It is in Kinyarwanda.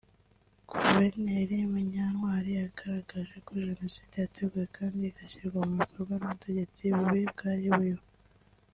Guverineri Munyantwari yagaragaje ko Jenoside yateguwe kandi igashyirwa mu bikorwa n’ubutegetsi bubi bwari buriho